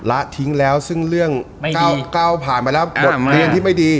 ละทิ้งแล้วซึ่งเรื่อง๙ผ่านไปแล้วบทเรียนที่ไม่ดี